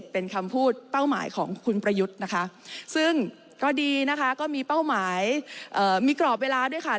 เป็นคำพูดเป้าหมายของคุณประยุทธ์นะคะซึ่งก็ดีนะคะก็มีเป้าหมายมีกรอบเวลาด้วยค่ะ